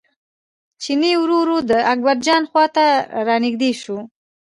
چیني ورو ورو د اکبرجان خواته را نژدې شو.